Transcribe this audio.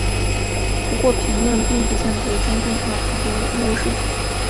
不过评论并不见得将动画评得一无是处。